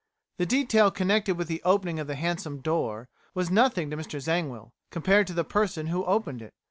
The detail connected with the opening of the hansom door (doors) was nothing to Mr Zangwill, compared to the person who opened it.